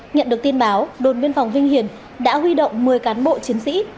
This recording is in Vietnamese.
nhận được tin báo đồn biên phòng vinh hiền đã huy động một mươi cán bộ chiến sĩ